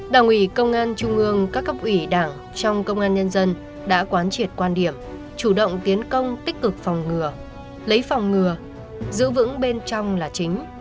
đảng ủy công an trung ương các cấp ủy đảng trong công an nhân dân đã quán triệt quan điểm chủ động tiến công tích cực phòng ngừa lấy phòng ngừa giữ vững bên trong là chính